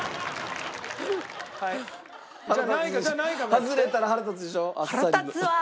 外れたら腹立つでしょ？